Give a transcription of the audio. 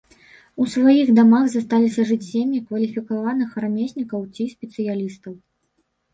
У сваіх дамах засталіся жыць сем'і кваліфікаваных рамеснікаў ці спецыялістаў.